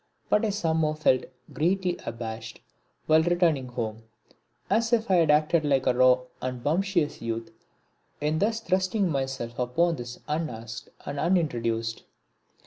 But I somehow felt greatly abashed while returning home, as if I had acted like a raw and bumptious youth in thus thrusting myself upon him unasked and unintroduced.